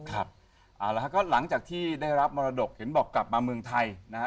เอาละครับก็หลังจากที่ได้รับมรดกเห็นบอกกลับมาเมืองไทยนะฮะ